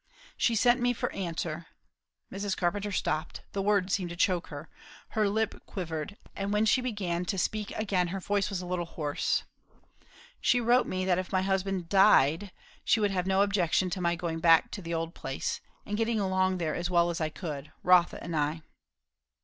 She sent me for answer " Mrs. Carpenter stopped; the words seemed to choke her; her lip quivered; and when she began to speak again her voice was a little hoarse. "She wrote me, that if my husband died, she would have no objection to my going back to the old place, and getting along there as well as I could; Rotha and I."